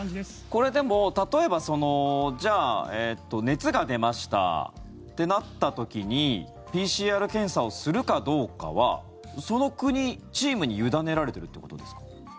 これ、でも例えばじゃあ熱が出ましたとなった時にＰＣＲ検査をするかどうかはその国、チームに委ねられてるってことですか？